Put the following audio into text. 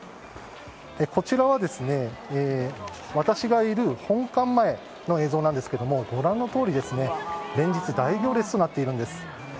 こちらは、私がいる本館前の映像なんですがご覧のとおり連日、大行列となっているんです。